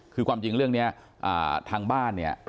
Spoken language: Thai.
คือความจริงเรื่องนี้ทางบ้านเนี่ย